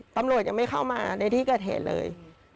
ตำรวจยังไม่เข้ามาในที่เกิดเหตุเลย